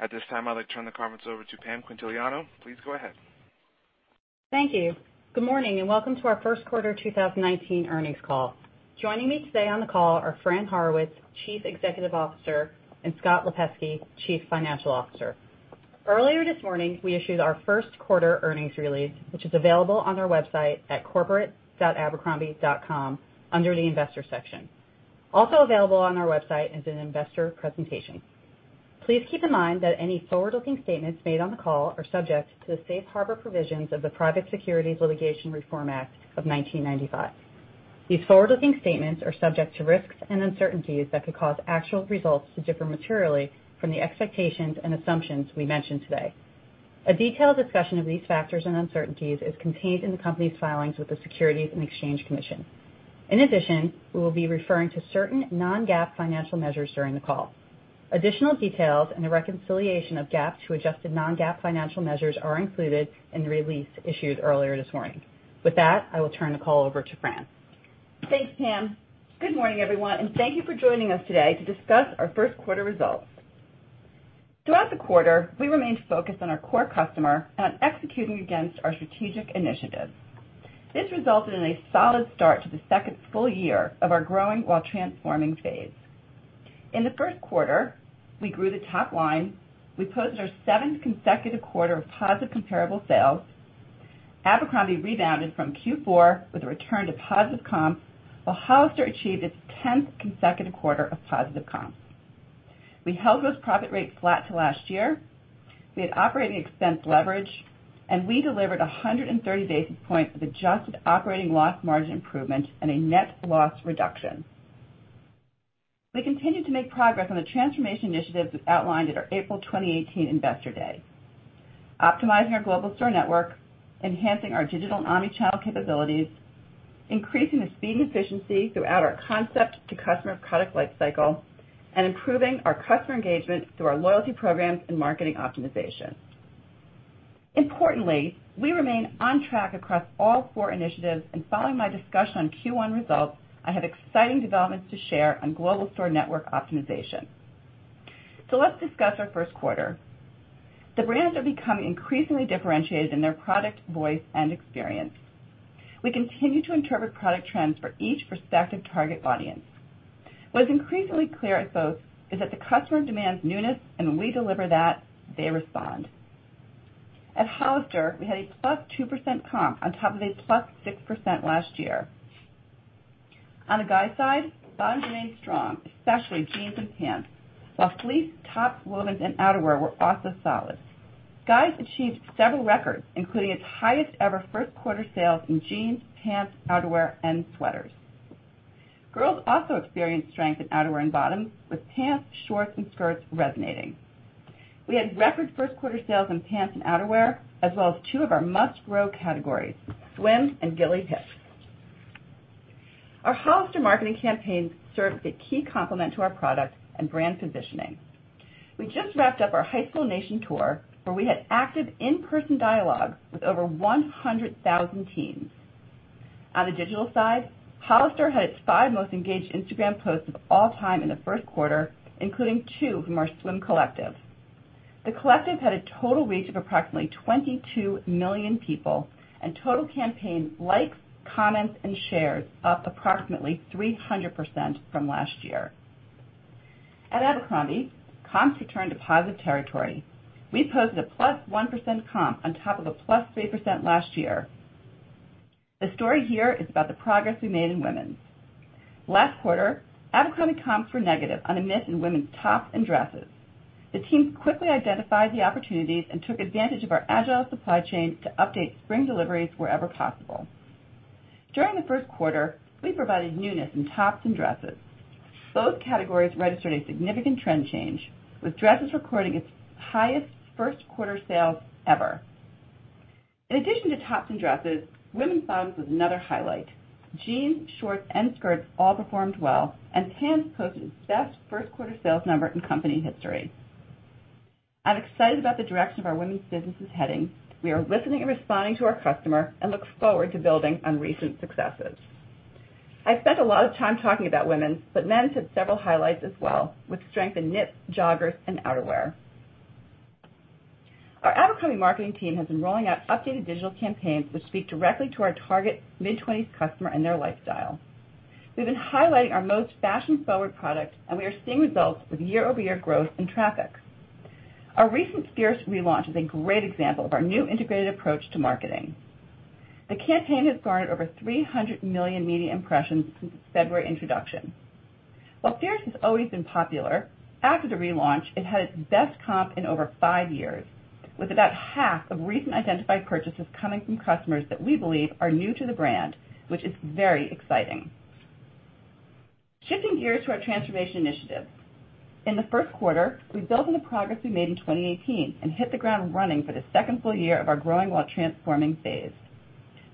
At this time, I'd like to turn the conference over to Pam Quintiliano. Please go ahead. Thank you. Good morning, and welcome to our first quarter 2019 earnings call. Joining me today on the call are Fran Horowitz, Chief Executive Officer, and Scott Lipesky, Chief Financial Officer. Earlier this morning, we issued our first quarter earnings release, which is available on our website at corporate.abercrombie.com under the investor section. Also available on our website is an investor presentation. Please keep in mind that any forward-looking statements made on the call are subject to the safe harbor provisions of the Private Securities Litigation Reform Act of 1995. These forward-looking statements are subject to risks and uncertainties that could cause actual results to differ materially from the expectations and assumptions we mention today. A detailed discussion of these factors and uncertainties is contained in the company's filings with the Securities and Exchange Commission. In addition, we will be referring to certain non-GAAP financial measures during the call. Additional details and the reconciliation of GAAP to adjusted non-GAAP financial measures are included in the release issued earlier this morning. With that, I will turn the call over to Fran. Thanks, Pam. Good morning, everyone, and thank you for joining us today to discuss our first quarter results. Throughout the quarter, we remained focused on our core customer and on executing against our strategic initiatives. This resulted in a solid start to the second school year of our growing while transforming phase. In the first quarter, we grew the top line, we posted our seventh consecutive quarter of positive comparable sales, Abercrombie rebounded from Q4 with a return to positive comp, while Hollister achieved its 10th consecutive quarter of positive comp. We held gross profit rates flat to last year, we had operating expense leverage, and we delivered 130 basis points of adjusted operating loss margin improvement and a net loss reduction. We continued to make progress on the transformation initiatives outlined at our April 2018 Investor Day: optimizing our global store network, enhancing our digital omnichannel capabilities, increasing the speed and efficiency throughout our concept to customer product life cycle, and improving our customer engagement through our loyalty programs and marketing optimization. Importantly, we remain on track across all four initiatives, and following my discussion on Q1 results, I have exciting developments to share on global store network optimization. Let's discuss our first quarter. The brands are becoming increasingly differentiated in their product, voice, and experience. We continue to interpret product trends for each respective target audience. What is increasingly clear at both is that the customer demands newness, and when we deliver that, they respond. At Hollister, we had a +2% comp on top of a +6% last year. On the guys side, bottoms remained strong, especially jeans and pants, while fleece tops, women's, and outerwear were also solid. Guys achieved several records, including its highest-ever first quarter sales in jeans, pants, outerwear, and sweaters. Girls also experienced strength in outerwear and bottoms, with pants, shorts, and skirts resonating. We had record first quarter sales on pants and outerwear, as well as two of our must-grow categories, swim and Gilly tops. Our Hollister marketing campaign serves a key complement to our product and brand positioning. We just wrapped up our High School Nation tour, where we had active in-person dialogue with over 100,000 teens. On the digital side, Hollister had its five most engaged Instagram posts of all time in the first quarter, including two from our swim collective. The collective had a total reach of approximately 22 million people, and total campaign likes, comments, and shares up approximately 300% from last year. At Abercrombie, comps returned to positive territory. We posted a +1% comp on top of a +3% last year. The story here is about the progress we made in women's. Last quarter, Abercrombie comps were negative on a miss in women's tops and dresses. The teams quickly identified the opportunities and took advantage of our agile supply chain to update spring deliveries wherever possible. During the first quarter, we provided newness in tops and dresses. Both categories registered a significant trend change, with dresses recording its highest first quarter sales ever. In addition to tops and dresses, women's bottoms was another highlight. Jeans, shorts, and skirts all performed well, and pants posted its best first quarter sales number in company history. I'm excited about the direction of our women's business is heading. We are listening and responding to our customer and look forward to building on recent successes. I've spent a lot of time talking about women's, but men's had several highlights as well, with strength in knits, joggers, and outerwear. Our Abercrombie marketing team has been rolling out updated digital campaigns which speak directly to our target mid-20s customer and their lifestyle. We've been highlighting our most fashion-forward product, and we are seeing results with year-over-year growth and traffic. Our recent Fierce relaunch is a great example of our new integrated approach to marketing. The campaign has garnered over 300 million media impressions since its February introduction. While Fierce has always been popular, after the relaunch, it had its best comp in over five years, with about half of recent identified purchases coming from customers that we believe are new to the brand, which is very exciting. Shifting gears to our transformation initiative. In the first quarter, we built on the progress we made in 2018 and hit the ground running for the second full year of our growing while transforming phase.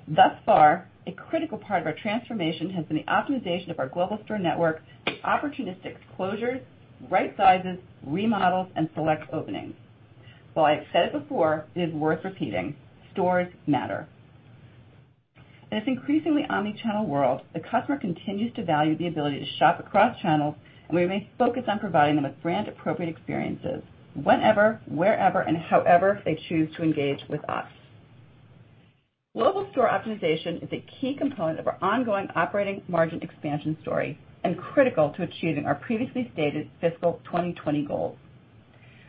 Thus far, a critical part of our transformation has been the optimization of our global store network with opportunistic closures, right sizes, remodels, and select openings. While I have said it before, it is worth repeating: stores matter. In this increasingly omni-channel world, the customer continues to value the ability to shop across channels, and we remain focused on providing them with brand appropriate experiences whenever, wherever, and however they choose to engage with us. Global store optimization is a key component of our ongoing operating margin expansion story and critical to achieving our previously stated fiscal 2020 goals.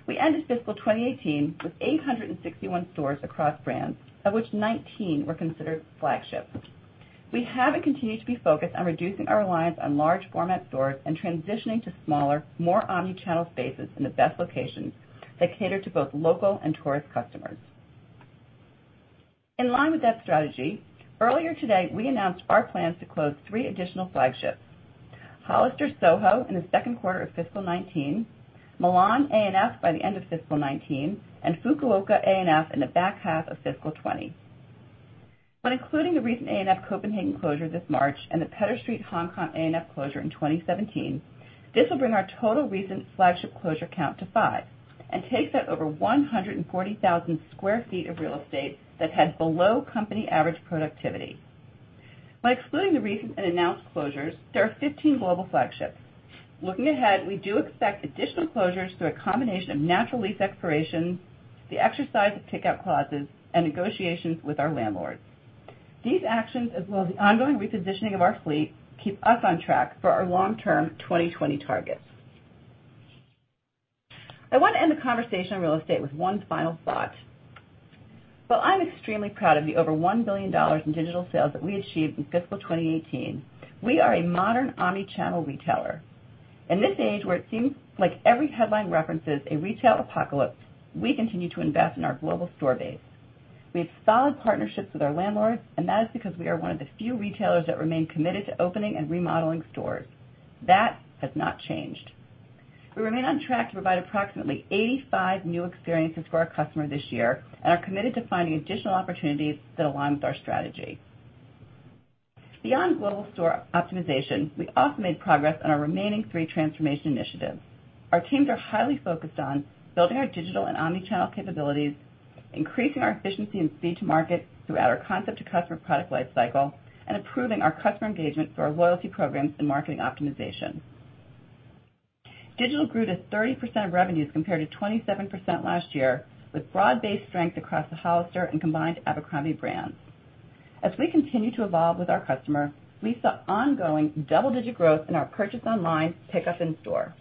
We ended fiscal 2018 with 861 stores across brands, of which 19 were considered flagships. We have and continue to be focused on reducing our reliance on large format stores and transitioning to smaller, more omni-channel spaces in the best locations that cater to both local and tourist customers. In line with that strategy, earlier today, we announced our plans to close three additional flagships, Hollister Soho in the second quarter of fiscal 2019, Milan ANF by the end of fiscal 2019, and Fukuoka ANF in the back half of fiscal 2020. When including the recent ANF Copenhagen closure this March and the Pedder Street Hong Kong ANF closure in 2017, this will bring our total recent flagship closure count to five and take that over 140,000 sq ft of real estate that had below company average productivity. By excluding the recent and announced closures, there are 15 global flagships. Looking ahead, we do expect additional closures through a combination of natural lease expirations, the exercise of takeout clauses, and negotiations with our landlords. These actions, as well as the ongoing repositioning of our fleet, keep us on track for our long-term 2020 targets. I want to end the conversation on real estate with one final thought. While I'm extremely proud of the over $1 billion in digital sales that we achieved in fiscal 2018, we are a modern omni-channel retailer. In this age where it seems like every headline references a retail apocalypse, we continue to invest in our global store base. We have solid partnerships with our landlords, and that is because we are one of the few retailers that remain committed to opening and remodeling stores. That has not changed. We remain on track to provide approximately 85 new experiences for our customer this year and are committed to finding additional opportunities that align with our strategy. Beyond global store optimization, we also made progress on our remaining three transformation initiatives. Our teams are highly focused on building our digital and omni-channel capabilities, increasing our efficiency and speed to market throughout our concept to customer product life cycle, and improving our customer engagement through our loyalty programs and marketing optimization. Digital grew to 30% of revenues compared to 27% last year, with broad-based strength across the Hollister and combined Abercrombie brands. As we continue to evolve with our customer, we saw ongoing double-digit growth in our purchase online, pickup in store.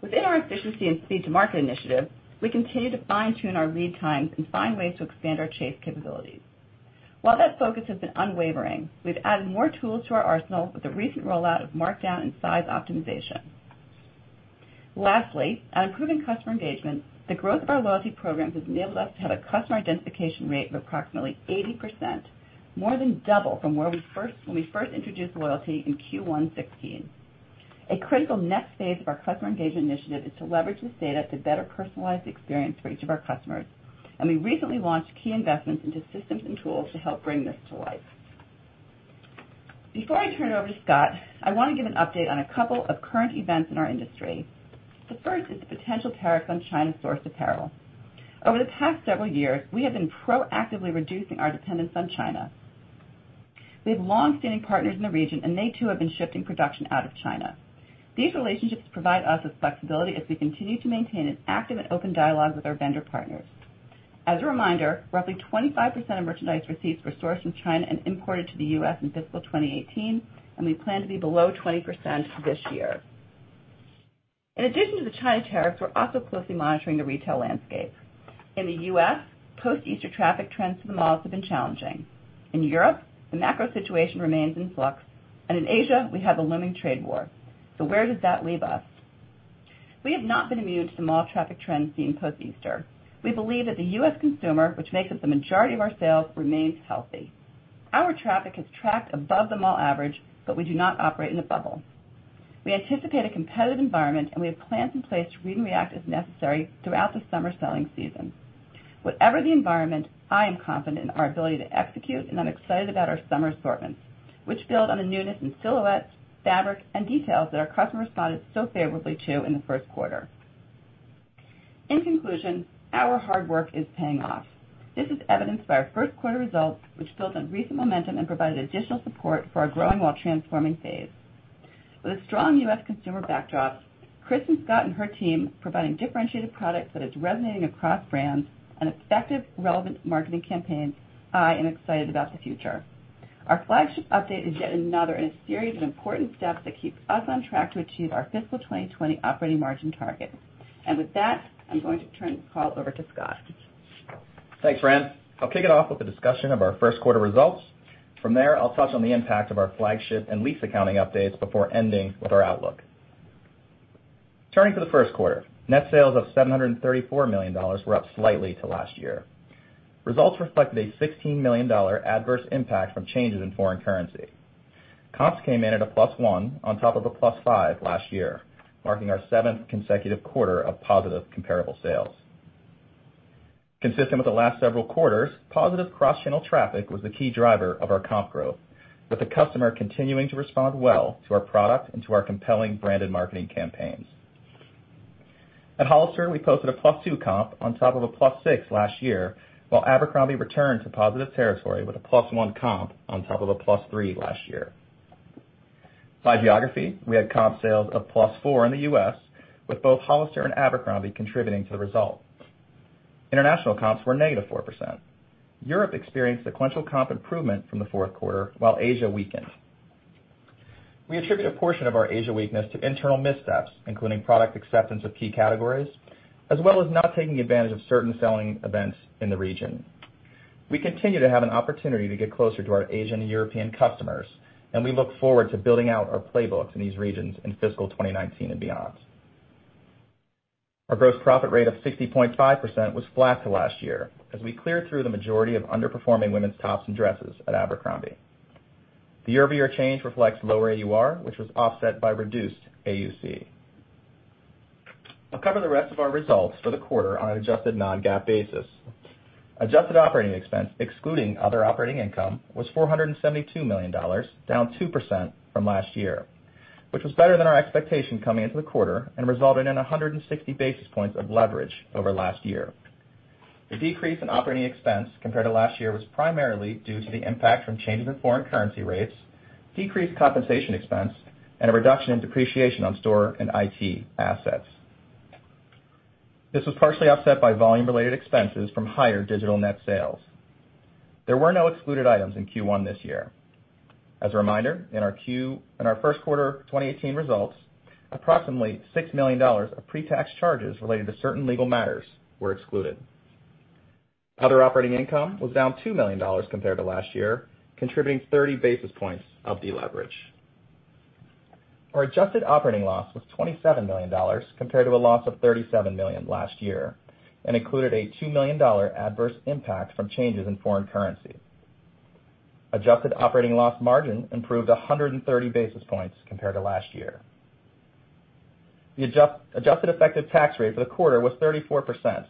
Within our efficiency and speed to market initiative, we continue to fine-tune our lead times and find ways to expand our chase capabilities. While that focus has been unwavering, we have added more tools to our arsenal with the recent rollout of markdown and size optimization. Lastly, on improving customer engagement, the growth of our loyalty programs has enabled us to have a customer identification rate of approximately 80%, more than double from when we first introduced loyalty in Q1 2016. A critical next phase of our customer engagement initiative is to leverage this data to better personalize the experience for each of our customers. We recently launched key investments into systems and tools to help bring this to life. Before I turn it over to Scott, I want to give an update on a couple of current events in our industry. The first is the potential tariffs on China-sourced apparel. Over the past several years, we have been proactively reducing our dependence on China. We have long-standing partners in the region, and they too have been shifting production out of China. These relationships provide us with flexibility as we continue to maintain an active and open dialogue with our vendor partners. As a reminder, roughly 25% of merchandise receipts were sourced from China and imported to the U.S. in fiscal 2018. We plan to be below 20% this year. In addition to the China tariffs, we are also closely monitoring the retail landscape. In the U.S., post-Easter traffic trends for the malls have been challenging. In Europe, the macro situation remains in flux, and in Asia, we have a looming trade war. Where does that leave us? We have not been immune to the mall traffic trends seen post-Easter. We believe that the U.S. consumer, which makes up the majority of our sales, remains healthy. Our traffic has tracked above the mall average. We do not operate in a bubble. We anticipate a competitive environment, and we have plans in place to read and react as necessary throughout the summer selling season. Whatever the environment, I am confident in our ability to execute. I am excited about our summer assortments, which build on the newness in silhouettes, fabric, and details that our customers responded so favorably to in the first quarter. In conclusion, our hard work is paying off. This is evidenced by our first quarter results, which built on recent momentum and provided additional support for our growing while transforming phase. With a strong U.S. consumer backdrop, Kristin Scott and her team providing differentiated product that is resonating across brands and effective relevant marketing campaigns, I am excited about the future. Our flagship update is yet another in a series of important steps that keep us on track to achieve our fiscal 2020 operating margin target. With that, I am going to turn this call over to Scott. Thanks, Fran. I'll kick it off with a discussion of our first quarter results. From there, I'll touch on the impact of our flagship and lease accounting updates before ending with our outlook. Turning to the first quarter, net sales of $734 million were up slightly to last year. Results reflected a $16 million adverse impact from changes in foreign currency. Comps came in at a +1 on top of a +5 last year, marking our seventh consecutive quarter of positive comparable sales. Consistent with the last several quarters, positive cross-channel traffic was the key driver of our comp growth, with the customer continuing to respond well to our product and to our compelling branded marketing campaigns. At Hollister, we posted a +2 comp on top of a +6 last year, while Abercrombie returned to positive territory with a +1 comp on top of a +3 last year. By geography, we had comp sales of +4 in the U.S., with both Hollister and Abercrombie contributing to the result. International comps were -4%. Europe experienced sequential comp improvement from the fourth quarter while Asia weakened. We attribute a portion of our Asia weakness to internal missteps, including product acceptance of key categories, as well as not taking advantage of certain selling events in the region. We continue to have an opportunity to get closer to our Asian and European customers. We look forward to building out our playbooks in these regions in fiscal 2019 and beyond. Our gross profit rate of 60.5% was flat to last year as we cleared through the majority of underperforming women's tops and dresses at Abercrombie. The year-over-year change reflects lower AUR, which was offset by reduced AUC. I'll cover the rest of our results for the quarter on an adjusted non-GAAP basis. Adjusted operating expense, excluding other operating income, was $472 million, down 2% from last year, which was better than our expectation coming into the quarter and resulting in 160 basis points of leverage over last year. The decrease in operating expense compared to last year was primarily due to the impact from changes in foreign currency rates, decreased compensation expense, and a reduction in depreciation on store and IT assets. This was partially offset by volume-related expenses from higher digital net sales. There were no excluded items in Q1 this year. As a reminder, in our first quarter of 2018 results, approximately $6 million of pre-tax charges related to certain legal matters were excluded. Other operating income was down $2 million compared to last year, contributing 30 basis points of deleverage. Our adjusted operating loss was $27 million compared to a loss of $37 million last year and included a $2 million adverse impact from changes in foreign currency. Adjusted operating loss margin improved 130 basis points compared to last year. The adjusted effective tax rate for the quarter was 34%,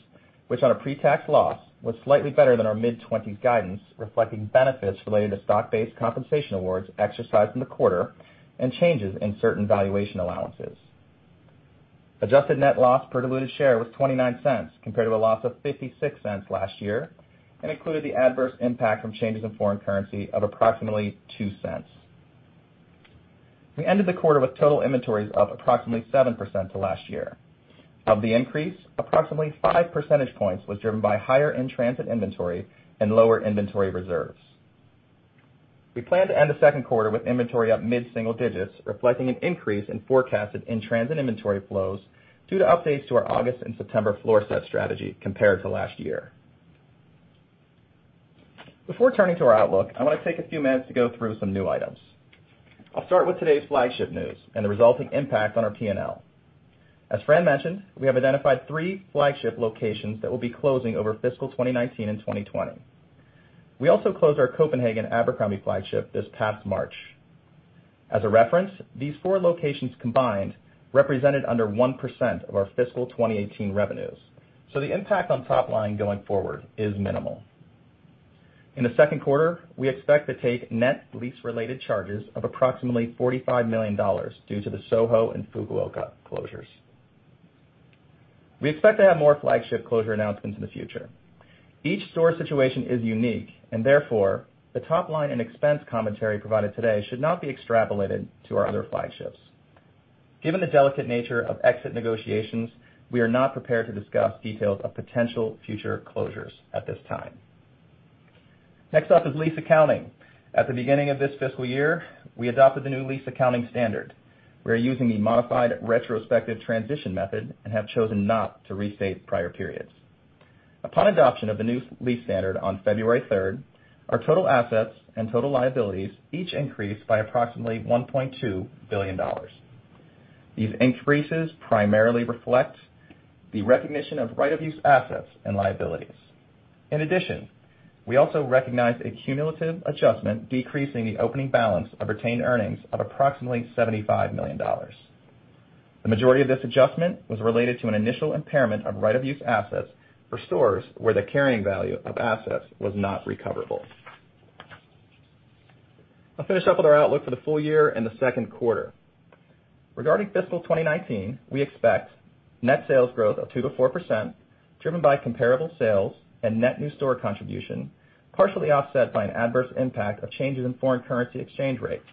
which on a pre-tax loss was slightly better than our mid-20s guidance, reflecting benefits related to stock-based compensation awards exercised in the quarter and changes in certain valuation allowances. Adjusted net loss per diluted share was $0.29 compared to a loss of $0.56 last year and included the adverse impact from changes in foreign currency of approximately $0.02. We ended the quarter with total inventories up approximately 7% to last year. Of the increase, approximately five percentage points was driven by higher in-transit inventory and lower inventory reserves. We plan to end the second quarter with inventory up mid-single digits, reflecting an increase in forecasted in-transit inventory flows due to updates to our August and September floor set strategy compared to last year. Before turning to our outlook, I want to take a few minutes to go through some new items. I'll start with today's flagship news and the resulting impact on our P&L. As Fran mentioned, we have identified three flagship locations that will be closing over fiscal 2019 and 2020. We also closed our Copenhagen Abercrombie flagship this past March. As a reference, these four locations combined represented under 1% of our fiscal 2018 revenues. The impact on top line going forward is minimal. In the second quarter, we expect to take net lease-related charges of approximately $45 million due to the Soho and Fukuoka closures. We expect to have more flagship closure announcements in the future. Each store situation is unique, and therefore, the top-line and expense commentary provided today should not be extrapolated to our other flagships. Given the delicate nature of exit negotiations, we are not prepared to discuss details of potential future closures at this time. Next up is lease accounting. At the beginning of this fiscal year, we adopted the new lease accounting standard. We are using the modified retrospective transition method and have chosen not to restate prior periods. Upon adoption of the new lease standard on February 3rd, our total assets and total liabilities each increased by approximately $1.2 billion. These increases primarily reflect the recognition of right-of-use assets and liabilities. In addition, we also recognized a cumulative adjustment, decreasing the opening balance of retained earnings of approximately $75 million. The majority of this adjustment was related to an initial impairment of right-of-use assets for stores where the carrying value of assets was not recoverable. I'll finish up with our outlook for the full year and the second quarter. Regarding fiscal 2019, we expect net sales growth of 2% to 4%, driven by comparable sales and net new store contribution, partially offset by an adverse impact of changes in foreign currency exchange rates.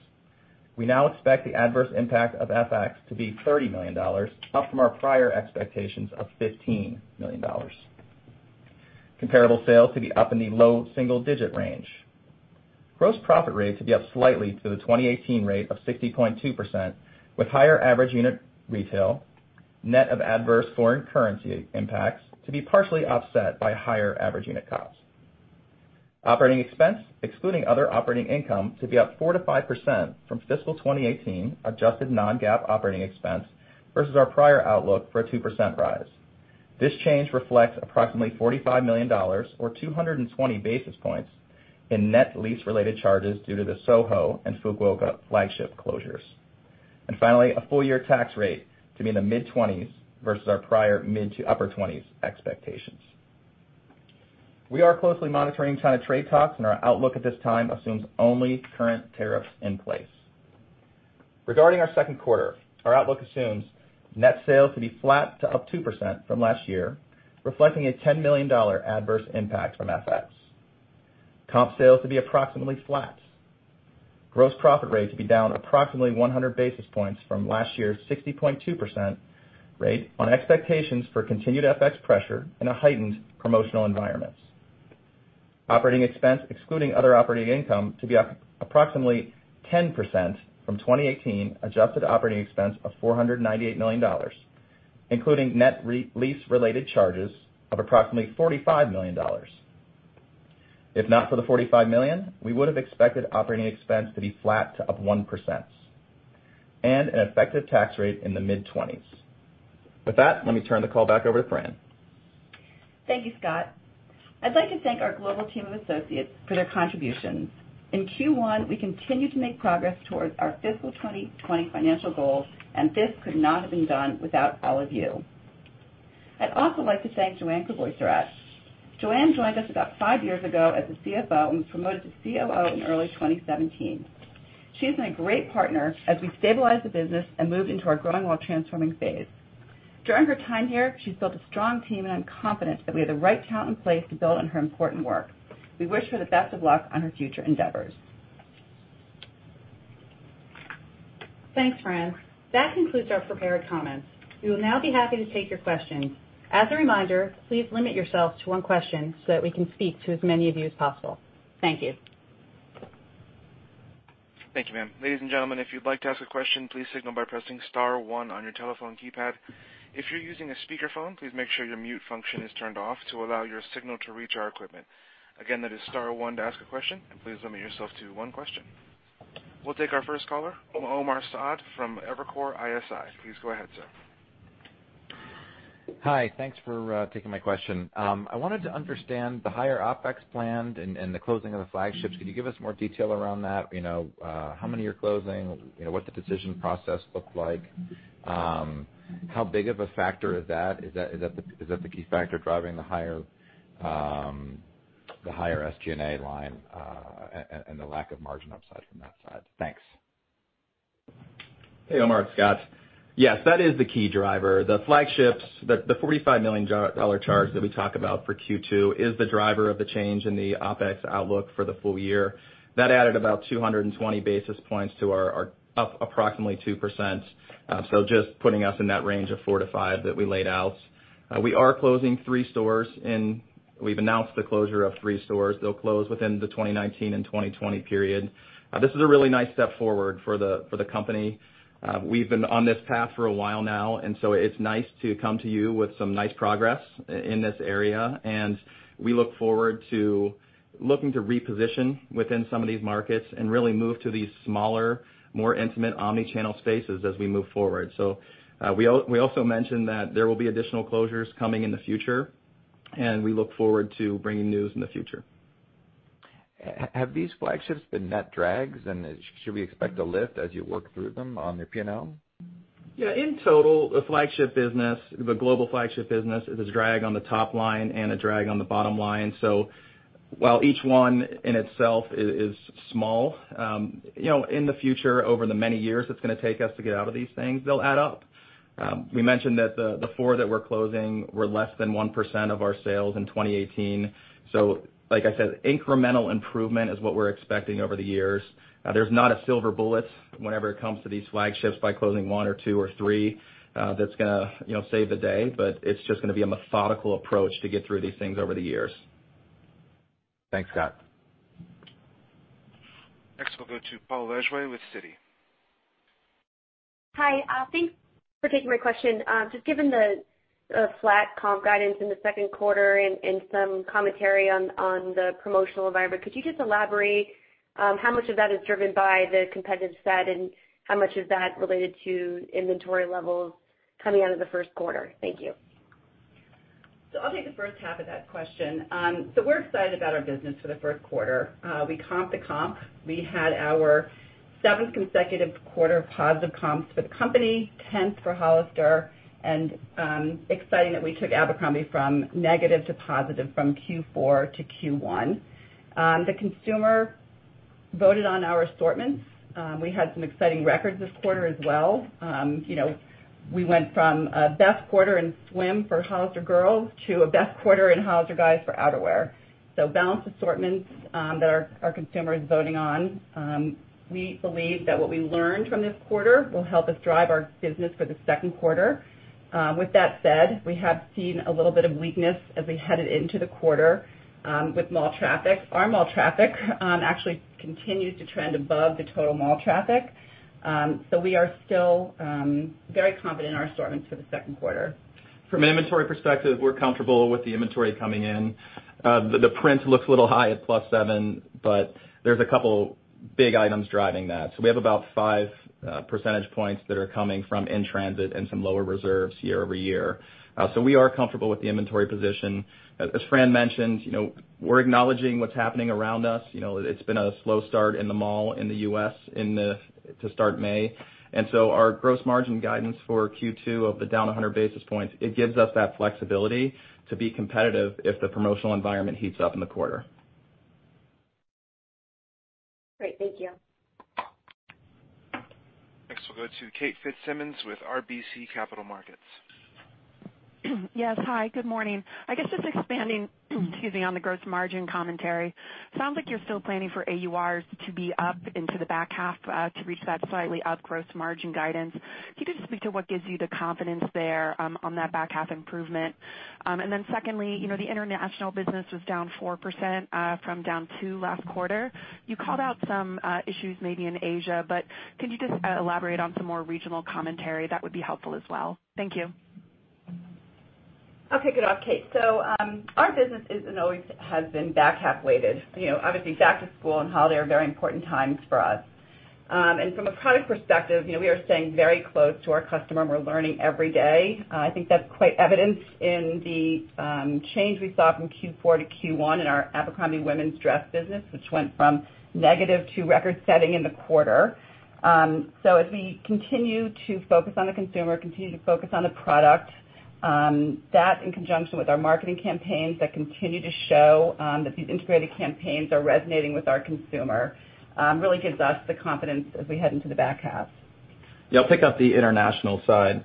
We now expect the adverse impact of FX to be $30 million, up from our prior expectations of $15 million. Comparable sales to be up in the low single-digit range. Gross profit rate to be up slightly to the 2018 rate of 60.2%, with higher average unit retail, net of adverse foreign currency impacts, to be partially offset by higher average unit costs. Operating expense, excluding other operating income, to be up 4% to 5% from fiscal 2018 adjusted non-GAAP operating expense versus our prior outlook for a 2% rise. This change reflects approximately $45 million or 220 basis points in net lease-related charges due to the Soho and Fukuoka flagship closures. Finally, a full-year tax rate to be in the mid-20s versus our prior mid-to-upper-20s expectations. We are closely monitoring China trade talks, and our outlook at this time assumes only current tariffs in place. Regarding our second quarter, our outlook assumes net sales to be flat to up 2% from last year, reflecting a $10 million adverse impact from FX. Comp sales to be approximately flat. Gross profit rate to be down approximately 100 basis points from last year's 60.2% rate on expectations for continued FX pressure and a heightened promotional environment. Operating expense, excluding other operating income, to be up approximately 10% from 2018, adjusted operating expense of $498 million, including net lease-related charges of approximately $45 million. If not for the $45 million, we would've expected operating expense to be flat to up 1%, and an effective tax rate in the mid-20s. With that, let me turn the call back over to Fran. Thank you, Scott. I'd like to thank our global team of associates for their contributions. In Q1, we continued to make progress towards our fiscal 2020 financial goals, and this could not have been done without all of you. I'd also like to thank Joanne Crevoiserat. Joanne joined us about five years ago as the CFO and was promoted to COO in early 2017. She has been a great partner as we stabilized the business and moved into our growing while transforming phase. During her time here, she's built a strong team, and I'm confident that we have the right talent in place to build on her important work. We wish her the best of luck on her future endeavors. Thanks, Fran. That concludes our prepared comments. We will now be happy to take your questions. As a reminder, please limit yourself to one question so that we can speak to as many of you as possible. Thank you. Thank you, ma'am. Ladies and gentlemen, if you'd like to ask a question, please signal by pressing *1 on your telephone keypad. If you're using a speakerphone, please make sure your mute function is turned off to allow your signal to reach our equipment. Again, that is *1 to ask a question. Please limit yourself to one question. We'll take our first caller, Omar Saad from Evercore ISI. Please go ahead, sir. Hi. Thanks for taking my question. I wanted to understand the higher OpEx planned and the closing of the flagships. Could you give us more detail around that? How many are you closing? What's the decision process look like? How big of a factor is that? Is that the key factor driving the higher SG&A line, the lack of margin upside from that side? Thanks. Hey, Omar. It's Scott. Yes, that is the key driver. The flagships, the $45 million charge that we talk about for Q2, is the driver of the change in the OpEx outlook for the full year. That added about 220 basis points to our up approximately 2%. Just putting us in that range of four to five that we laid out. We are closing three stores. We've announced the closure of three stores. They'll close within the 2019 and 2020 period. This is a really nice step forward for the company. We've been on this path for a while now. It's nice to come to you with some nice progress in this area. We look forward to looking to reposition within some of these markets and really move to these smaller, more intimate omni-channel spaces as we move forward. We also mentioned that there will be additional closures coming in the future. We look forward to bringing news in the future. Have these flagships been net drags, and should we expect a lift as you work through them on your P&L? Yeah, in total, the global flagship business is a drag on the top line and a drag on the bottom line. While each one in itself is small, in the future, over the many years it's going to take us to get out of these things, they'll add up. We mentioned that the four that we're closing were less than 1% of our sales in 2018. Like I said, incremental improvement is what we're expecting over the years. There's not a silver bullet whenever it comes to these flagships by closing one or two or three, that's going to save the day, but it's just going to be a methodical approach to get through these things over the years. Thanks, Scott. Next, we'll go to Paul Lejuez with Citi. Hi. Thanks for taking my question. Just given the flat comp guidance in the second quarter and some commentary on the promotional environment, could you just elaborate on how much of that is driven by the competitive set, and how much of that related to inventory levels coming out of the first quarter? Thank you. I'll take the first half of that question. We're excited about our business for the first quarter. We comped the comp. We had our seventh consecutive quarter of positive comps for the company, tenth for Hollister, and exciting that we took Abercrombie from negative to positive from Q4 to Q1. The consumer voted on our assortments. We had some exciting records this quarter as well. We went from a best quarter in swim for Hollister girls to a best quarter in Hollister guys for outerwear. Balanced assortments that our consumer is voting on. We believe that what we learned from this quarter will help us drive our business for the second quarter. With that said, we have seen a little bit of weakness as we headed into the quarter with mall traffic. Our mall traffic actually continues to trend above the total mall traffic. We are still very confident in our assortments for the second quarter. From an inventory perspective, we're comfortable with the inventory coming in. The print looks a little high at plus seven, but there's a couple big items driving that. We have about five percentage points that are coming from in-transit and some lower reserves year-over-year. We are comfortable with the inventory position. As Fran mentioned, we're acknowledging what's happening around us. It's been a slow start in the mall in the U.S. to start May. Our gross margin guidance for Q2 of the down 100 basis points, it gives us that flexibility to be competitive if the promotional environment heats up in the quarter. Great. Thank you. Next, we'll go to Kate Fitzsimons with RBC Capital Markets. Yes, hi, good morning. I guess just expanding on the gross margin commentary. Sounds like you're still planning for AURs to be up into the back half, to reach that slightly up gross margin guidance. Can you just speak to what gives you the confidence there, on that back half improvement? Secondly, the international business was down 4%, from down two last quarter. You called out some issues maybe in Asia, but could you just elaborate on some more regional commentary? That would be helpful as well. Thank you. Okay. Good. Kate. Our business is and always has been back half weighted. Obviously, back to school and holiday are very important times for us. From a product perspective, we are staying very close to our customer and we're learning every day. I think that's quite evident in the change we saw from Q4 to Q1 in our Abercrombie women's dress business, which went from negative to record-setting in the quarter. As we continue to focus on the consumer, continue to focus on the product, that in conjunction with our marketing campaigns that continue to show that these integrated campaigns are resonating with our consumer, really gives us the confidence as we head into the back half. I'll pick up the international side.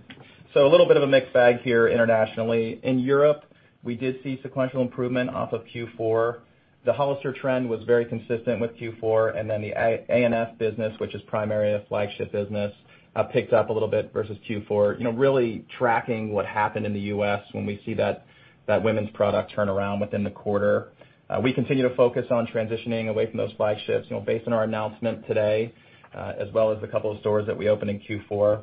A little bit of a mixed bag here internationally. In Europe, we did see sequential improvement off of Q4. The Hollister trend was very consistent with Q4, and then the ANF business, which is primarily a flagship business, picked up a little bit versus Q4. Really tracking what happened in the U.S. when we see that women's product turn around within the quarter. We continue to focus on transitioning away from those flagships, based on our announcement today, as well as a couple of stores that we opened in Q4.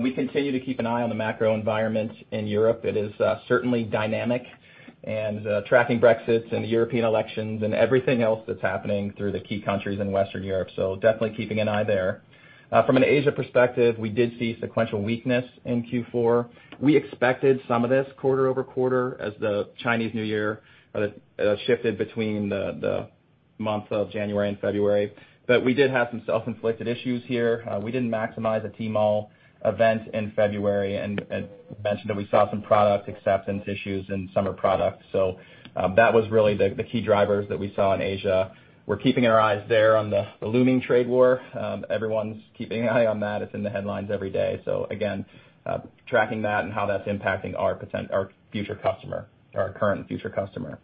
We continue to keep an eye on the macro environment in Europe. It is certainly dynamic and tracking Brexit and the European elections and everything else that's happening through the key countries in Western Europe. Definitely keeping an eye there. From an Asia perspective, we did see sequential weakness in Q4. We expected some of this quarter-over-quarter as the Chinese New Year shifted between the months of January and February. We did have some self-inflicted issues here. We didn't maximize the Tmall event in February and mentioned that we saw some product acceptance issues in summer products. That was really the key drivers that we saw in Asia. We're keeping our eyes there on the looming trade war. Everyone's keeping an eye on that. It's in the headlines every day. Again, tracking that and how that's impacting our current future customer.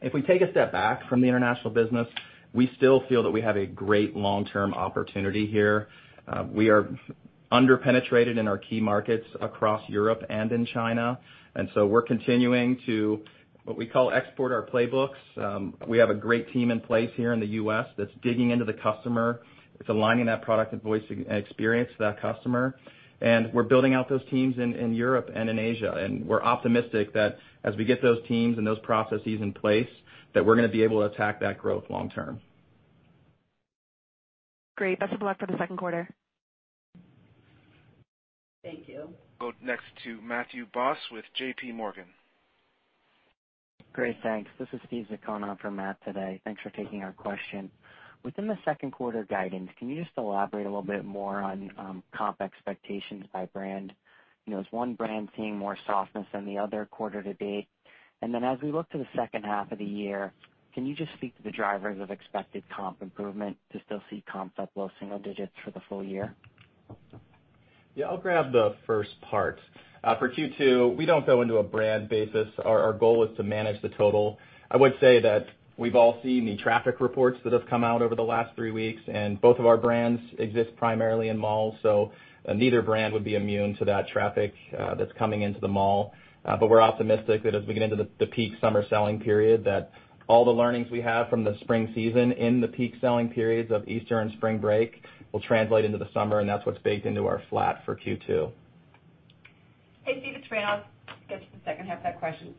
If we take a step back from the international business, we still feel that we have a great long-term opportunity here. We are under-penetrated in our key markets across Europe and in China, and so we're continuing to, what we call export our playbooks. We have a great team in place here in the U.S. that's digging into the customer. It's aligning that product and voice and experience to that customer. We're building out those teams in Europe and in Asia. We're optimistic that as we get those teams and those processes in place, that we're going to be able to attack that growth long term. Great. Best of luck for the second quarter. Thank you. Go next to Matthew Boss with JPMorgan. Great. Thanks. This is Steven Giacona for Matt today. Thanks for taking our question. Within the second quarter guidance, can you just elaborate a little bit more on comp expectations by brand? Is one brand seeing more softness than the other quarter to date? Then as we look to the second half of the year, can you just speak to the drivers of expected comp improvement to still see comps up low single digits for the full year? Yeah. I'll grab the first part. For Q2, we don't go into a brand basis. Our goal is to manage the total. I would say that we've all seen the traffic reports that have come out over the last three weeks, and both of our brands exist primarily in malls, so neither brand would be immune to that traffic that's coming into the mall. We're optimistic that as we get into the peak summer selling period, that all the learnings we have from the spring season in the peak selling periods of Easter and spring break will translate into the summer, and that's what's baked into our flat for Q2. Hey, Steve, it's Fran Horowitz. I'll get to the second half of that question.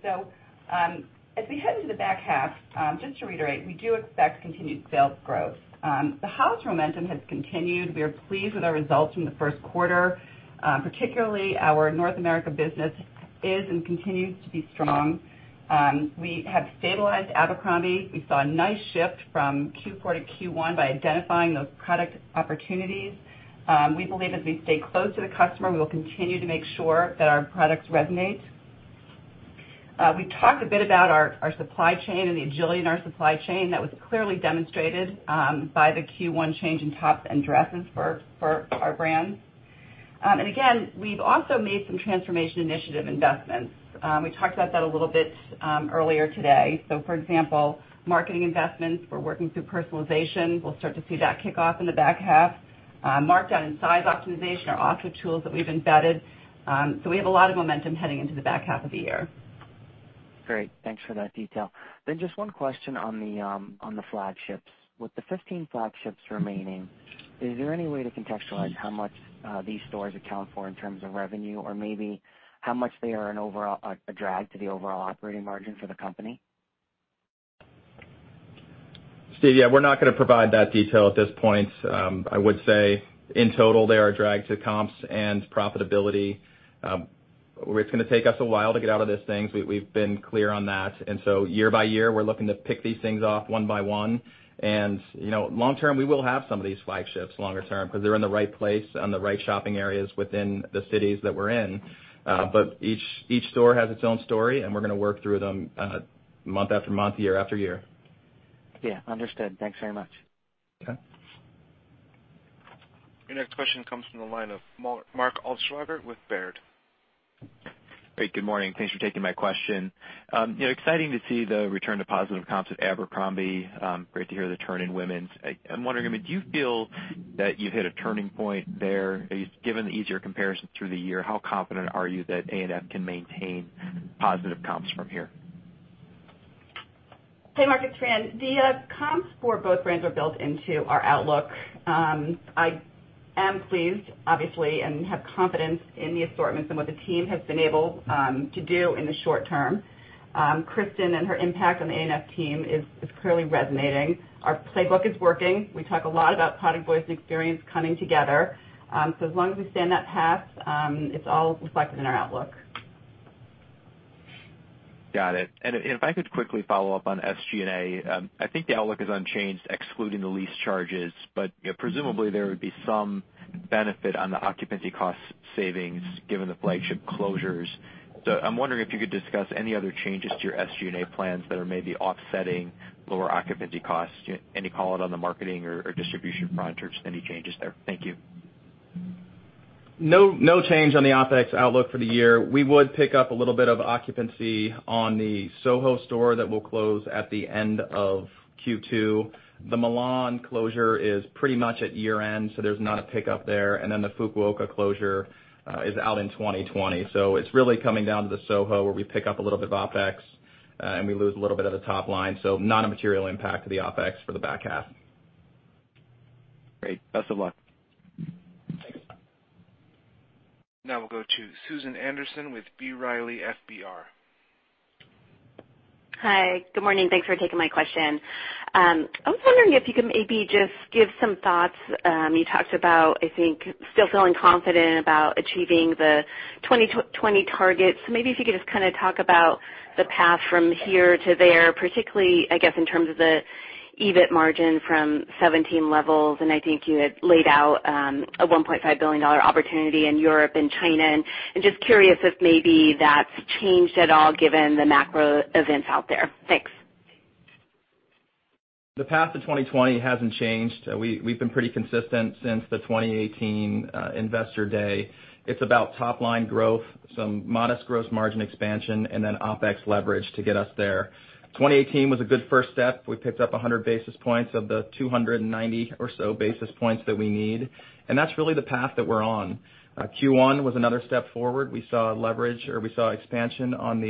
As we head into the back half, just to reiterate, we do expect continued sales growth. The Hollister momentum has continued. We are pleased with our results from the first quarter. Particularly our North America business is and continues to be strong. We have stabilized Abercrombie. We saw a nice shift from Q4 to Q1 by identifying those product opportunities. We believe as we stay close to the customer, we will continue to make sure that our products resonate. We talked a bit about our supply chain and the agility in our supply chain. That was clearly demonstrated by the Q1 change in tops and dresses for our brands. We've also made some transformation initiative investments. We talked about that a little bit earlier today. For example, marketing investments. We're working through personalization. We'll start to see that kick off in the back half. Markdown and size optimization are also tools that we've embedded. We have a lot of momentum heading into the back half of the year. Great. Thanks for that detail. Just one question on the flagships. With the 15 flagships remaining, is there any way to contextualize how much these stores account for in terms of revenue, or maybe how much they are a drag to the overall operating margin for the company? Steve, we're not gonna provide that detail at this point. I would say in total, they are a drag to comps and profitability. It's gonna take us a while to get out of these things. We've been clear on that. Year by year, we're looking to pick these things off one by one. Long term, we will have some of these flagships longer term because they're in the right place on the right shopping areas within the cities that we're in. Each store has its own story, and we're gonna work through them month after month, year after year. Yeah, understood. Thanks very much. Okay. Your next question comes from the line of Mark Altschwager with Baird. Great. Good morning. Thanks for taking my question. Exciting to see the return to positive comps at Abercrombie. Great to hear the turn in women's. I'm wondering, do you feel that you've hit a turning point there? Given the easier comparisons through the year, how confident are you that A&F can maintain positive comps from here? Hey, Mark, it's Fran. The comps for both brands are built into our outlook. I am pleased, obviously, and have confidence in the assortments and what the team has been able to do in the short term. Kristin and her impact on the A&F team is clearly resonating. Our playbook is working. We talk a lot about product, voice, and experience coming together. As long as we stay on that path, it's all reflected in our outlook. Got it. If I could quickly follow up on SG&A. I think the outlook is unchanged, excluding the lease charges. Presumably, there would be some benefit on the occupancy cost savings given the flagship closures. I'm wondering if you could discuss any other changes to your SG&A plans that are maybe offsetting lower occupancy costs. Any call it on the marketing or distribution front in terms of any changes there? Thank you. No change on the OpEx outlook for the year. We would pick up a little bit of occupancy on the Soho store that will close at the end of Q2. The Milan closure is pretty much at year-end, there's not a pickup there. Then the Fukuoka closure is out in 2020. It's really coming down to the Soho where we pick up a little bit of OpEx, and we lose a little bit of the top line. Not a material impact to the OpEx for the back half. Great. Best of luck. Thanks. Now we'll go to Susan Anderson with B. Riley FBR. Hi. Good morning. Thanks for taking my question. I was wondering if you could maybe just give some thoughts. You talked about, I think, still feeling confident about achieving the 2020 targets. Maybe if you could just talk about the path from here to there, particularly, I guess, in terms of the EBIT margin from 2017 levels, I think you had laid out a $1.5 billion opportunity in Europe and China. Just curious if maybe that's changed at all given the macro events out there. Thanks. The path to 2020 hasn't changed. We've been pretty consistent since the 2018 Investor Day. It's about top-line growth, some modest gross margin expansion, then OpEx leverage to get us there. 2018 was a good first step. We picked up 100 basis points of the 290 or so basis points that we need, that's really the path that we're on. Q1 was another step forward. We saw leverage, or we saw expansion on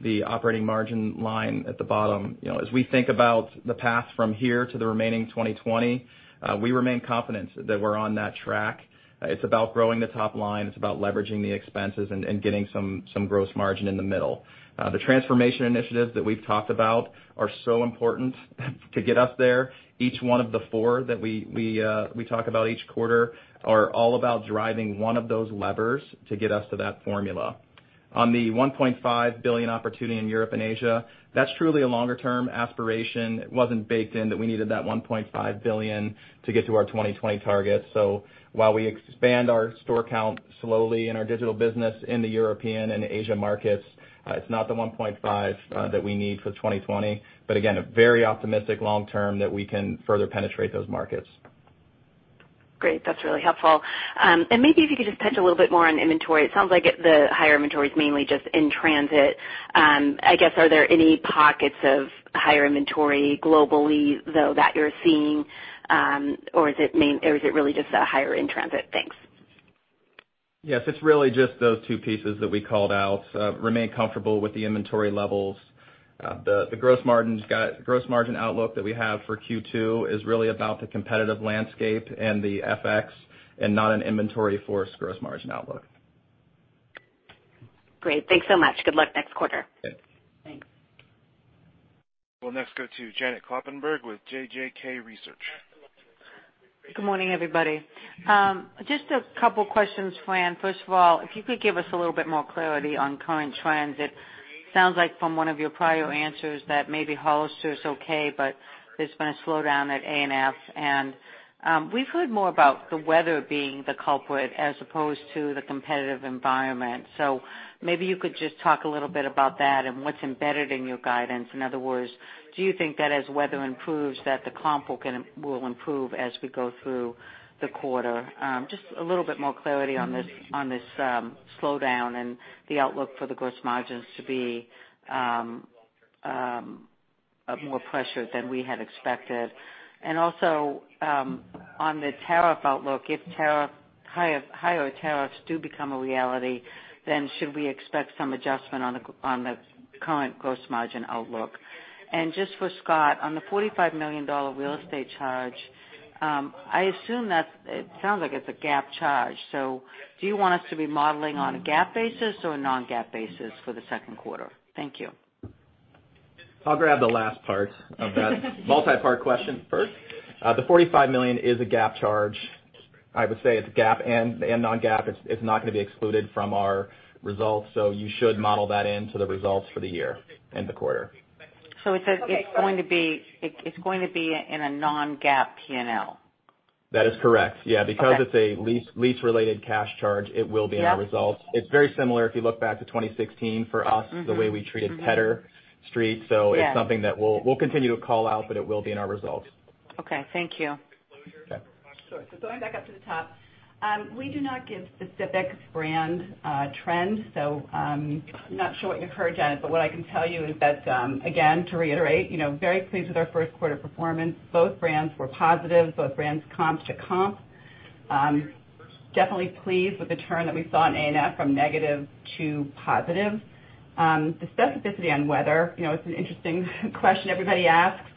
the operating margin line at the bottom. As we think about the path from here to the remaining 2020, we remain confident that we're on that track. It's about growing the top line. It's about leveraging the expenses and getting some gross margin in the middle. The transformation initiatives that we've talked about are so important to get us there. Each one of the four that we talk about each quarter are all about driving one of those levers to get us to that formula. On the $1.5 billion opportunity in Europe and Asia, that's truly a longer-term aspiration. It wasn't baked in that we needed that $1.5 billion to get to our 2020 target. While we expand our store count slowly in our digital business in the European and Asia markets, it's not the $1.5 billion that we need for 2020. Again, very optimistic long term that we can further penetrate those markets. Great. That's really helpful. Maybe if you could just touch a little bit more on inventory. It sounds like the higher inventory is mainly just in transit. I guess, are there any pockets of higher inventory globally, though, that you're seeing? Or is it really just a higher in-transit? Thanks. Yes, it's really just those two pieces that we called out. Remain comfortable with the inventory levels. The gross margin outlook that we have for Q2 is really about the competitive landscape and the FX and not an inventory-forced gross margin outlook. Great. Thanks so much. Good luck next quarter. Thanks. Thanks. We'll next go to Janet Kloppenburg with JJK Research. Good morning, everybody. Just a couple questions, Fran. First of all, if you could give us a little bit more clarity on current trends. It sounds like from one of your prior answers that maybe Hollister is okay, but there's been a slowdown at A&F, and we've heard more about the weather being the culprit as opposed to the competitive environment. Maybe you could just talk a little bit about that and what's embedded in your guidance. In other words, do you think that as weather improves, that the comp will improve as we go through the quarter? Just a little bit more clarity on this slowdown and the outlook for the gross margins to be more pressured than we had expected. Also, on the tariff outlook, if higher tariffs do become a reality, then should we expect some adjustment on the current gross margin outlook? Just for Scott, on the $45 million real estate charge, it sounds like it's a GAAP charge. Do you want us to be modeling on a GAAP basis or a non-GAAP basis for the second quarter? Thank you. I'll grab the last part of that multi-part question first. The $45 million is a GAAP charge. I would say it's GAAP and non-GAAP. It's not going to be excluded from our results, you should model that into the results for the year and the quarter. It's going to be in a non-GAAP P&L. That is correct. Yeah. Okay. it's a lease-related cash charge, it will be in our results. Yep. It's very similar, if you look back to 2016 for us. The way we treated Pedder Street. Yeah. it's something that we'll continue to call out, but it will be in our results. Okay. Thank you. Okay. Sure. Going back up to the top, we do not give specific brand trends. I'm not sure what your coverage on it, but what I can tell you is that, again, to reiterate, very pleased with our first quarter performance. Both brands were positive. Both brands comps to comp. Definitely pleased with the turn that we saw in ANF from negative to positive. The specificity on weather, it's an interesting question everybody asks.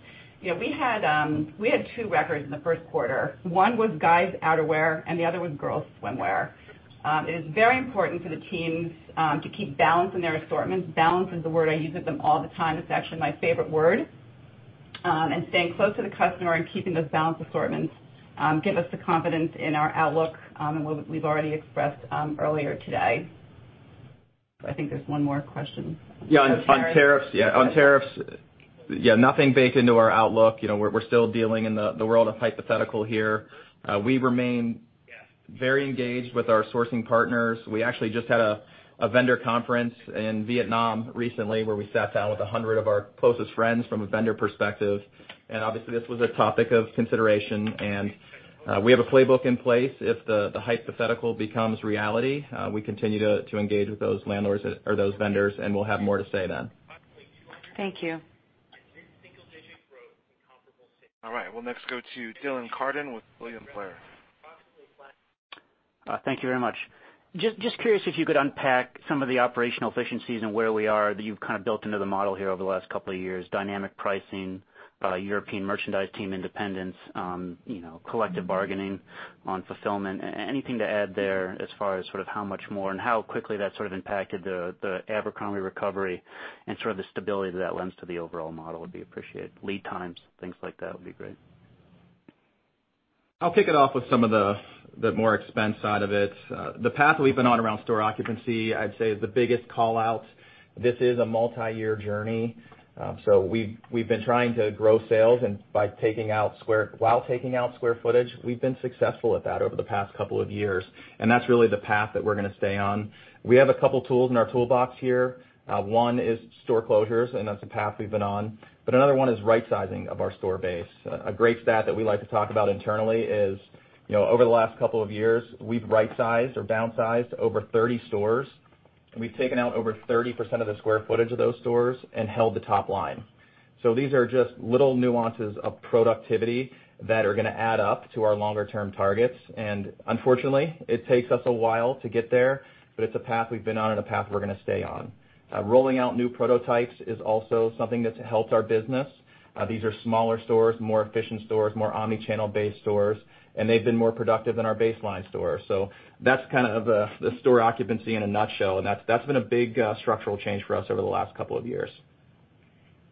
We had two records in the first quarter. One was guys' outerwear, and the other was girls' swimwear. It is very important for the teams to keep balance in their assortments. Balance is the word I use with them all the time. It's actually my favorite word. Staying close to the customer and keeping those balanced assortments give us the confidence in our outlook, and what we've already expressed earlier today. I think there's one more question. Yeah, on tariffs. Yeah, on tariffs, yeah, nothing baked into our outlook. We're still dealing in the world of hypothetical here. We remain very engaged with our sourcing partners. We actually just had a vendor conference in Vietnam recently where we sat down with 100 of our closest friends from a vendor perspective, obviously this was a topic of consideration, and we have a playbook in place if the hypothetical becomes reality. We continue to engage with those vendors, we'll have more to say then. Thank you. All right. We'll next go to Dylan Carden with William Blair. Thank you very much. Just curious if you could unpack some of the operational efficiencies and where we are that you've built into the model here over the last couple of years, dynamic pricing, European merchandise team independence, collective bargaining on fulfillment. Anything to add there as far as how much more and how quickly that impacted the Abercrombie recovery and the stability that lends to the overall model would be appreciated. Lead times, things like that would be great. I'll kick it off with some of the more expense side of it. The path that we've been on around store occupancy, I'd say, is the biggest call-out. This is a multi-year journey. We've been trying to grow sales while taking out square footage. We've been successful at that over the past couple of years, and that's really the path that we're going to stay on. We have a couple tools in our toolbox here. One is store closures, and that's a path we've been on. Another one is rightsizing of our store base. A great stat that we like to talk about internally is, over the last couple of years, we've rightsized or downsized over 30 stores, and we've taken out over 30% of the square footage of those stores and held the top line. These are just little nuances of productivity that are going to add up to our longer-term targets. Unfortunately, it takes us a while to get there, but it's a path we've been on and a path we're going to stay on. Rolling out new prototypes is also something that's helped our business. These are smaller stores, more efficient stores, more omni-channel based stores, and they've been more productive than our baseline stores. That's the store occupancy in a nutshell, and that's been a big structural change for us over the last couple of years.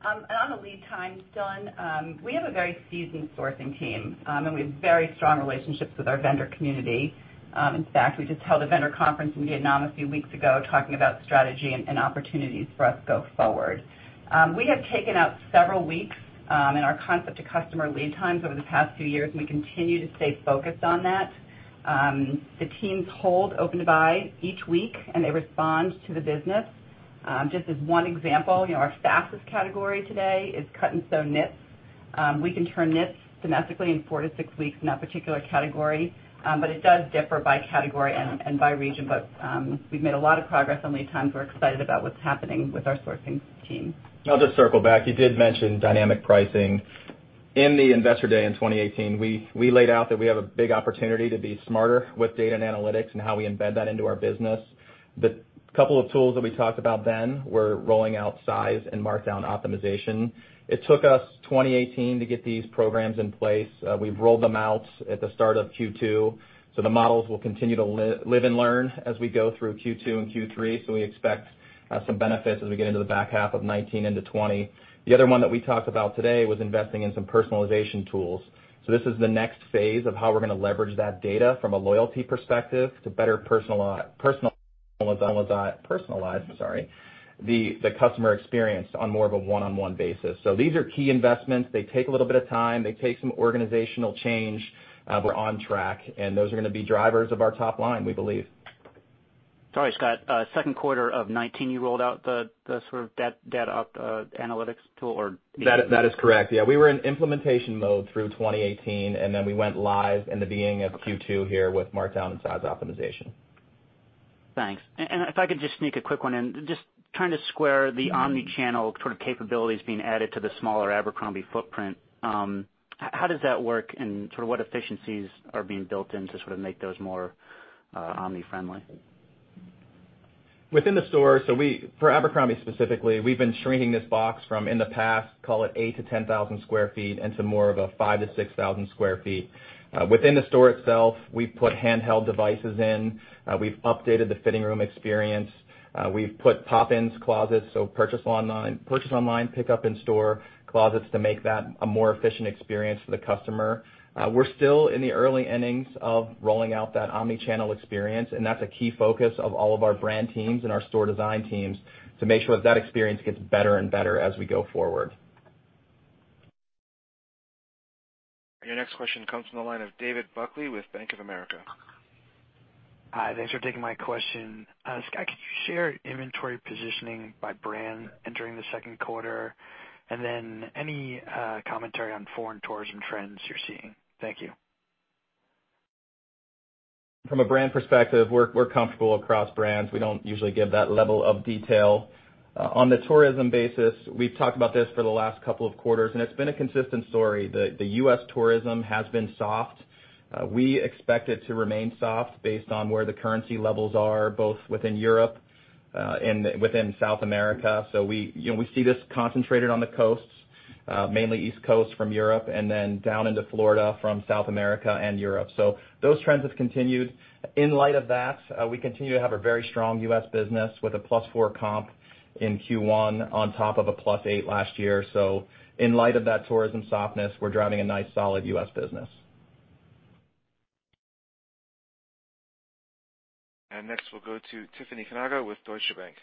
On the lead times, Dylan, we have a very seasoned sourcing team, and we have very strong relationships with our vendor community. In fact, we just held a vendor conference in Vietnam a few weeks ago talking about strategy and opportunities for us going forward. We have taken out several weeks in our concept to customer lead times over the past few years, and we continue to stay focused on that. The teams hold open to buy each week and they respond to the business. Just as one example, our fastest category today is cut-and-sew knits. We can turn knits domestically in four to six weeks in that particular category, but it does differ by category and by region. We've made a lot of progress on lead times. We're excited about what's happening with our sourcing team. I'll just circle back. You did mention dynamic pricing. In the investor day in 2018, we laid out that we have a big opportunity to be smarter with data and analytics and how we embed that into our business. The couple of tools that we talked about then were rolling out size and markdown optimization. It took us 2018 to get these programs in place. We've rolled them out at the start of Q2, the models will continue to live and learn as we go through Q2 and Q3. We expect some benefits as we get into the back half of 2019 into 2020. The other one that we talked about today was investing in some personalization tools. This is the next phase of how we're going to leverage that data from a loyalty perspective to better personalize, sorry, the customer experience on more of a one-on-one basis. These are key investments. They take a little bit of time. They take some organizational change. We're on track, those are going to be drivers of our top line, we believe. Sorry, Scott. Second quarter of 2019, you rolled out the data analytics tool? That is correct. Yeah. We were in implementation mode through 2018. Then we went live in the beginning of Q2 here with markdown and size optimization. Thanks. If I could just sneak a quick one in. Just trying to square the omni-channel capabilities being added to the smaller Abercrombie footprint. How does that work and what efficiencies are being built in to make those more omni friendly? Within the store, for Abercrombie specifically, we've been shrinking this box from, in the past, call it 8,000-10,000 sq ft into more of a 5,000-6,000 sq ft. Within the store itself, we've put handheld devices in. We've updated the fitting room experience. We've put BOPIS closets, so purchase online, pickup in store closets to make that a more efficient experience for the customer. We're still in the early innings of rolling out that omni-channel experience. That's a key focus of all of our brand teams and our store design teams to make sure that experience gets better and better as we go forward. Your next question comes from the line of David Buckley with Bank of America. Hi, thanks for taking my question. Scott, could you share inventory positioning by brand entering the second quarter? Then any commentary on foreign tourism trends you're seeing. Thank you. From a brand perspective, we're comfortable across brands. We don't usually give that level of detail. On the tourism basis, we've talked about this for the last couple of quarters, It's been a consistent story. The U.S. tourism has been soft. We expect it to remain soft based on where the currency levels are, both within Europe, and within South America. We see this concentrated on the coasts, mainly East Coast from Europe and then down into Florida from South America and Europe. Those trends have continued. In light of that, we continue to have a very strong U.S. business with a +4 comp in Q1 on top of a +8 last year. In light of that tourism softness, we're driving a nice, solid U.S. business. Next, we'll go to Tiffany Kanaga with Deutsche Bank.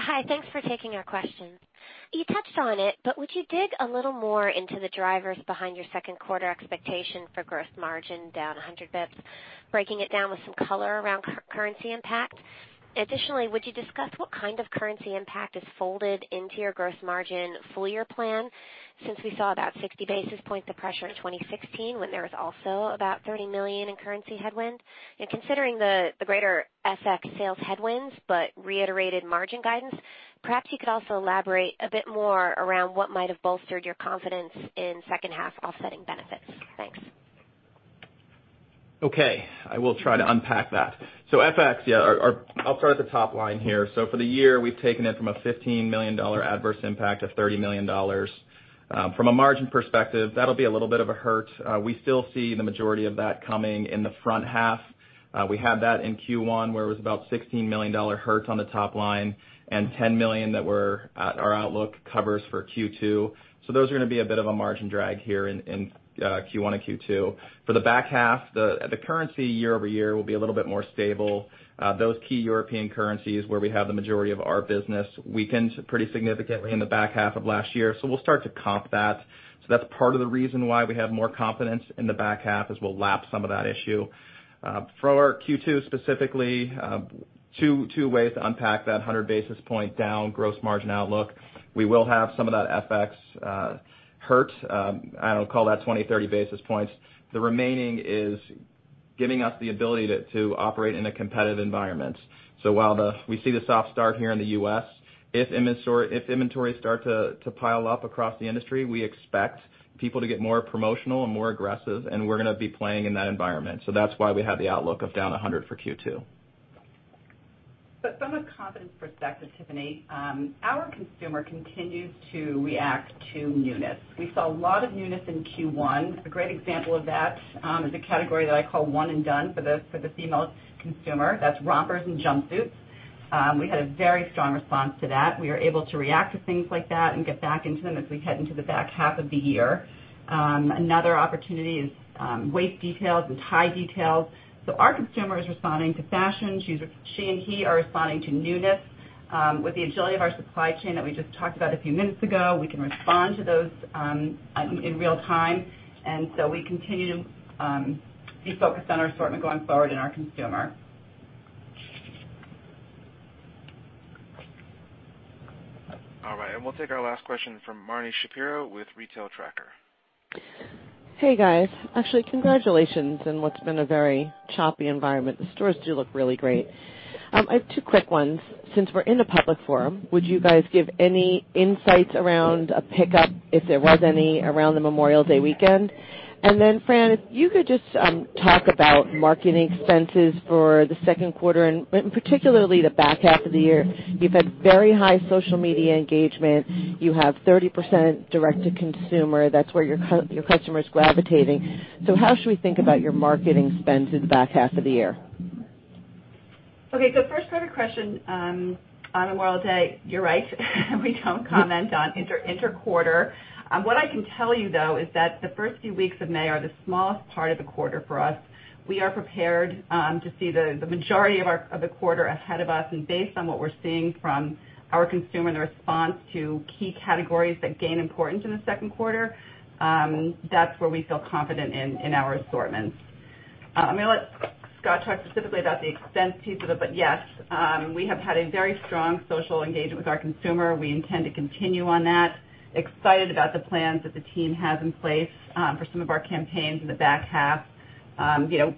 Hi, thanks for taking our questions. You touched on it, but would you dig a little more into the drivers behind your second quarter expectation for gross margin down 100 basis points, breaking it down with some color around currency impact? Additionally, would you discuss what kind of currency impact is folded into your gross margin full-year plan, since we saw about 60 basis points of pressure in 2016 when there was also about $30 million in currency headwind? Considering the greater FX sales headwinds but reiterated margin guidance, perhaps you could also elaborate a bit more around what might have bolstered your confidence in second half offsetting benefits. Thanks. Okay. I will try to unpack that. FX. I'll start at the top line here. For the year, we've taken it from a $15 million adverse impact to $30 million. From a margin perspective, that'll be a little bit of a hurt. We still see the majority of that coming in the front half. We had that in Q1 where it was about a $16 million hurt on the top line and $10 million that our outlook covers for Q2. Those are gonna be a bit of a margin drag here in Q1 and Q2. For the back half, the currency year-over-year will be a little bit more stable. Those key European currencies where we have the majority of our business weakened pretty significantly in the back half of last year, we'll start to comp that. That's part of the reason why we have more confidence in the back half, is we'll lap some of that issue. For our Q2 specifically, two ways to unpack that 100 basis points down gross margin outlook. We will have some of that FX hurt. I would call that 20, 30 basis points. The remaining is giving us the ability to operate in a competitive environment. While we see the soft start here in the U.S., if inventories start to pile up across the industry, we expect people to get more promotional and more aggressive, and we're gonna be playing in that environment. That's why we have the outlook of down 100 for Q2. From a confidence perspective, Tiffany, our consumer continues to react to newness. We saw a lot of newness in Q1. A great example of that is a category that I call "one and done" for the female consumer. That's rompers and jumpsuits. We had a very strong response to that. We are able to react to things like that and get back into them as we head into the back half of the year. Another opportunity is waist details and tie details. Our consumer is responding to fashion. She and he are responding to newness. With the agility of our supply chain that we just talked about a few minutes ago, we can respond to those in real time. We continue to be focused on our assortment going forward and our consumer. All right. We'll take our last question from Marni Shapiro with The Retail Tracker. Hey, guys. Actually, congratulations in what's been a very choppy environment. The stores do look really great. I have two quick ones. Since we're in a public forum, would you guys give any insights around a pickup, if there was any, around the Memorial Day weekend? Fran, if you could just talk about marketing expenses for the second quarter, and particularly the back half of the year. You've had very high social media engagement. You have 30% direct to consumer. That's where your customer is gravitating. How should we think about your marketing spend in the back half of the year? Okay. First part of your question on Memorial Day. You're right, we don't comment on interquarter. What I can tell you, though, is that the first few weeks of May are the smallest part of the quarter for us. We are prepared to see the majority of the quarter ahead of us. Based on what we're seeing from our consumer and the response to key categories that gain importance in the second quarter, that's where we feel confident in our assortments. I'm gonna let Scott talk specifically about the expense piece of it. Yes, we have had a very strong social engagement with our consumer. We intend to continue on that. Excited about the plans that the team has in place for some of our campaigns in the back half.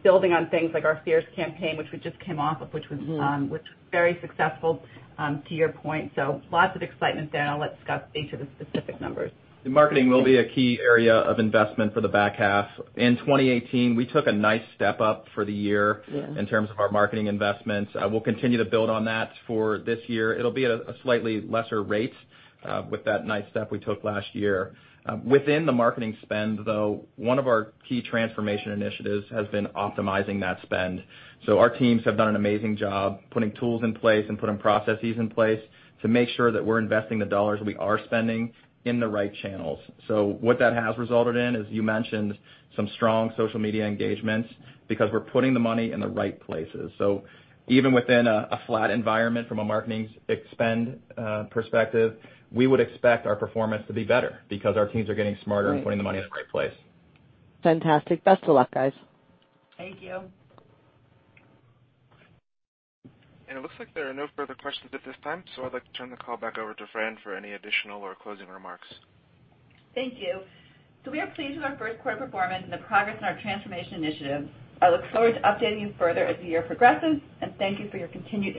Building on things like our Fierce campaign, which we just came off of, which was very successful, to your point. Lots of excitement there, I'll let Scott speak to the specific numbers. The marketing will be a key area of investment for the back half. In 2018, we took a nice step up for the year. Yeah in terms of our marketing investments. We'll continue to build on that for this year. It'll be at a slightly lesser rate with that nice step we took last year. Within the marketing spend, though, one of our key transformation initiatives has been optimizing that spend. Our teams have done an amazing job putting tools in place and putting processes in place to make sure that we're investing the dollars we are spending in the right channels. What that has resulted in is, you mentioned some strong social media engagements because we're putting the money in the right places. Even within a flat environment from a marketing spend perspective, we would expect our performance to be better because our teams are getting smarter and putting the money in the right place. Fantastic. Best of luck, guys. Thank you. It looks like there are no further questions at this time. I'd like to turn the call back over to Fran for any additional or closing remarks. Thank you. We are pleased with our first quarter performance and the progress in our transformation initiatives. I look forward to updating you further as the year progresses, and thank you for your continued support.